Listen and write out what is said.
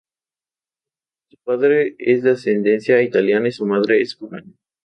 Su padre es de ascendencia italiana y su madre es cubana.